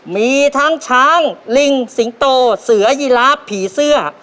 มีทั้งช้างลิงสิงโตเสือยีลาฟผีเสื้อ